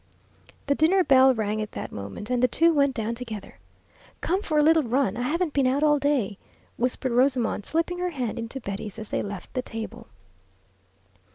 The dinner bell rang at that moment, and the two went down together. "Come for a little run; I haven't been out all day," whispered Rosamond, slipping her hand into Betty's as they left the table.